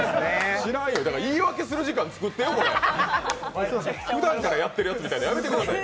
知らんよ、だから言い訳する時間作ってよ。ふだんからやってるやつみたいなのやめてくださいよ。